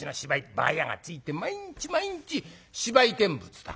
ばあやがついて毎日毎日芝居見物だ。